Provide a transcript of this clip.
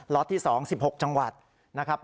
ล็อตที่๒๑๖จังหวัดนะครับ